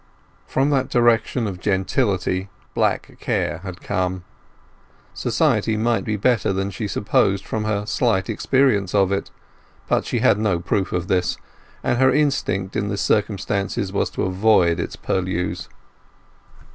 From that direction of gentility Black Care had come. Society might be better than she supposed from her slight experience of it. But she had no proof of this, and her instinct in the circumstances was to avoid its purlieus.